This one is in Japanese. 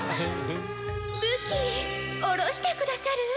武器おろしてくださる？